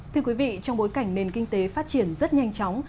thưa quý vị trong bối cảnh nền kinh tế phát triển rất nhanh chóng